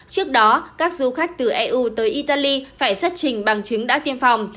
trước đó các du khách từ eu tới italy phải xuất trình bằng chứng đã tiêm phòng